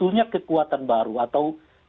sebetulnya kekuatan baru atau calon anggaran baru